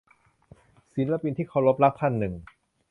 ศิลปินที่เคารพรักท่านหนึ่ง